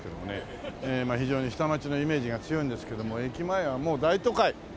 非常に下町のイメージが強いんですけども駅前はもう大都会。